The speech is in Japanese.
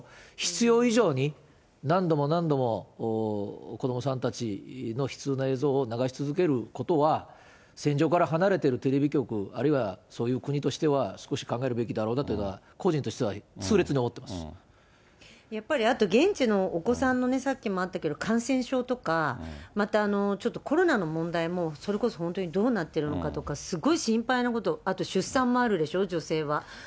必要以上に、何度も何度も子どもさんたちの悲痛な映像を流し続けることは、戦場から離れてるテレビ局、あるいはそういう国としては、少し考えるべきだろうなというのは、個人としては痛烈に思ってまやっぱり、あと現地のお子さんの、さっきもあったけど、感染症とか、またちょっとコロナの問題も、それこそ本当にどうなってるのかとか、すごい心配なこと、あと出産もあるでしょ、女性は。